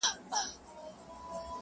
، ویرجینیا!.